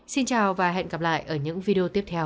xin chào và hẹn gặp lại ở những video tiếp theo